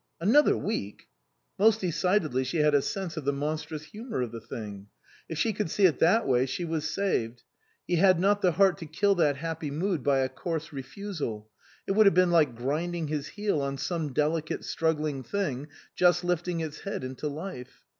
Another week ! Most decidedly she had a sense of the monstrous humour of the thing. If she could see it that way she was saved. He had not the heart to kill that happy mood by a coarse refusal ; it would have been like grinding his heel on some delicate, struggling thing just lifting its head into life.